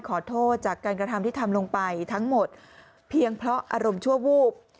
ขอโทษจากการกระทำที่ทำลงไปทั้งหมดเพียงเพราะอารมณ์ชั่ววูบ